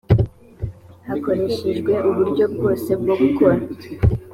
hakoreshejwe uburyo bwose bwo gukora